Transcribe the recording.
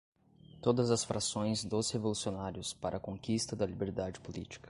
todas as frações dos revolucionários para a conquista da liberdade política